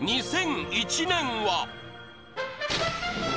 ２００１年は？